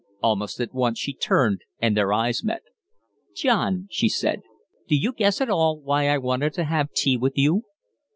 Almost at once she turned, and their eyes met. "John," she said, "do you guess at all why I wanted to have tea with you?"